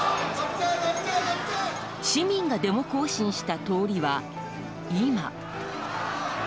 市民がデモ行進した通りは今。